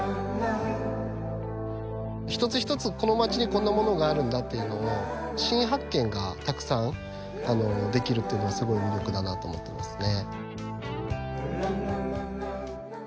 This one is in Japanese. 一つ一つこの町にこんなものがあるんだっていうのを新発見がたくさんできるというのがすごい魅力だなと思ってますね。